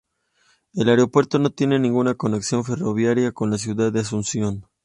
El aeropuerto no tiene ninguna conexión ferroviaria con la ciudad de Asunción.